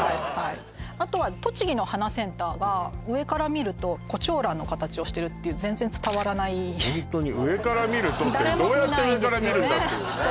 あとは栃木の花センターが上から見ると胡蝶蘭の形をしてるっていう全然伝わらないホントに上から見るとってどうやって上から見るんだって